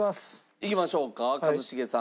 いきましょうか一茂さん。